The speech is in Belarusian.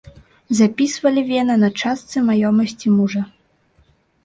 Запісвалі вена на частцы маёмасці мужа.